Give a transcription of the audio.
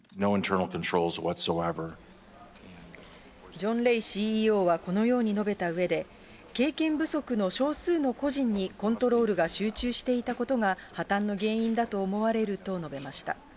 ジョン・レイＣＥＯはこのように述べたうえで、経験不足の少数の個人にコントロールが集中していたことが、破綻の原因だと思われると述べました。